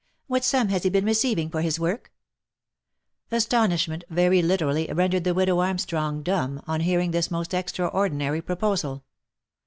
What sum has he been receiving for his work ?" Astonishment very literally rendered the widow Armstrong dumb, on hearing this most extraordinary proposal.